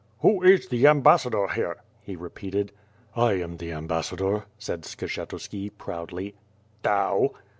"Who is the ambassador here?" he repeated. "I am the ambassador/' said Skshetuski, proudly. "Thou?'